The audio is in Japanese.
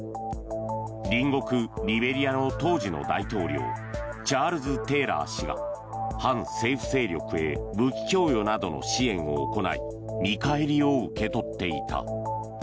隣国リベリアの当時の大統領チャールズ・テーラー氏が反政府勢力へ武器供与などの支援を行い見返りを受け取っていた。